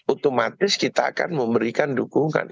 otomatis kita akan memberikan dukungan